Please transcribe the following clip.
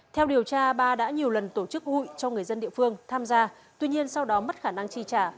theo điều tra ba đã nhiều lần tổ chức hụi cho người dân địa phương tham gia tuy nhiên sau đó mất khả năng chi trả